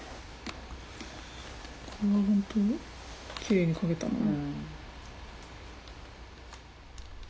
これは本当きれいに描けたな。